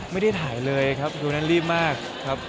ไม่ได้ถ่ายเลยครับดูนั้นรีบมากครับ